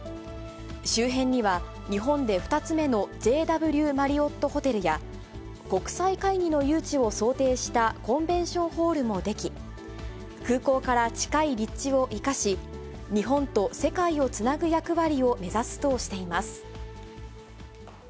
周辺には、日本で２つ目のＪＷマリオットホテルや、国際会議の誘致を想定したコンベンションホールも出来、空港から近い立地を生かし、日本と世界をつなぐ役割を目指すとしています。